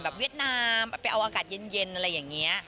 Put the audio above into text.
เวียดนามไปเอาอากาศเย็นอะไรอย่างนี้